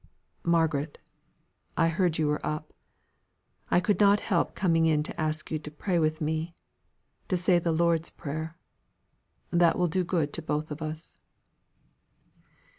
"Margaret, I heard you were up. I could not help coming in to ask you to pray with me to say the Lord's Prayer; that will do good to both of us."